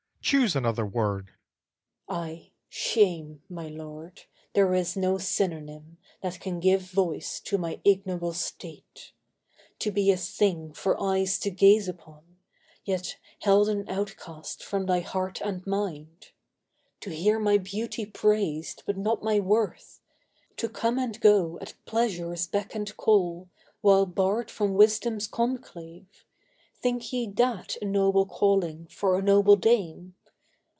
Choose another word. VASHTI Ay, shame, my lord—there is no synonym That can give voice to my ignoble state. To be a thing for eyes to gaze upon, Yet held an outcast from thy heart and mind; To hear my beauty praised but not my worth; To come and go at Pleasure's beck and call, While barred from Wisdom's conclaves! Think ye that A noble calling for a noble dame?